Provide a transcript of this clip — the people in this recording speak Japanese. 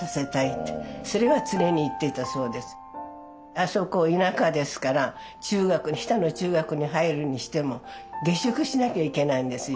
あそこ田舎ですから中学に日田の中学に入るにしても下宿しなきゃいけないんですよね。